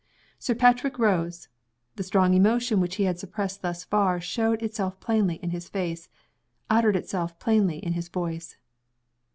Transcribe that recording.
Sir Patrick rose. The strong emotion which he had suppressed thus far, showed itself plainly in his face uttered itself plainly in his voice.